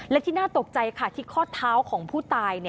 และที่น่าตกใจค่ะที่ข้อเท้าของผู้ตาย